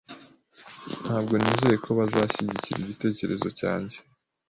Ntabwo nizeye ko bazashyigikira igitekerezo cyanjye